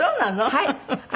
はい。